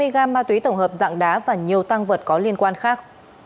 một trăm hai mươi gram ma túy tổng hợp dạng đá và nhiều tăng vật có liên quan khác